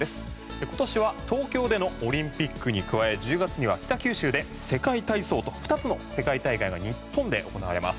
今年は東京でのオリンピックに加え、１０月には北九州で世界体操と２つの世界大会が日本で行われます。